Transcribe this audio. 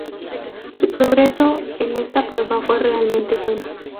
Su progreso en esta prueba fue realmente bueno.